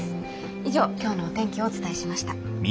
以上今日のお天気をお伝えしました。